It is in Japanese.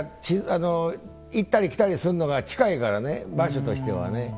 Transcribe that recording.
行ったり来たりするのが近いから場所としてはね。